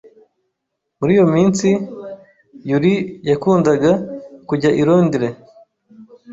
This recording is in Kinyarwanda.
Muri iyo minsi, Yuri yakundaga kujya i Londres.